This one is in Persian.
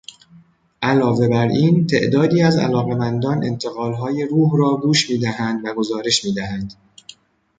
علاوه بر این، تعدادی از علاقه مندان انتقال های «روح» را گوش می دهند و گزارش می دهند.